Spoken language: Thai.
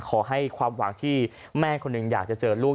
ขอให้ความหวังที่แม่คนหนึ่งอยากจะเจอลูก